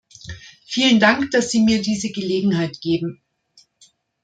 Vielen Dank, dass Sie mir diese Gelegenheit geben.